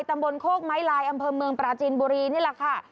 ตำบลโคกไม้ลายอำเภอเมืองปราจีนบุรีนี่แหละค่ะ